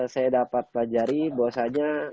saya dapat pelajari bahwasanya